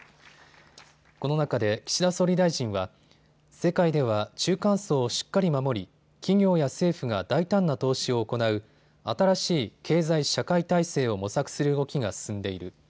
この中で岸田総理大臣は世界では中間層をしっかり守り企業や政府が大胆な投資を行う新しい経済社会体制を模索する動きが進んでいる。